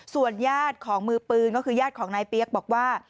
ส่วนญาติของมือปืนก็คือญาติของนายเปี๊ยกบอกว่า